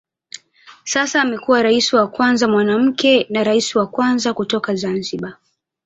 Sasa amekuwa rais wa kwanza mwanamke na rais wa kwanza kutoka Zanzibar.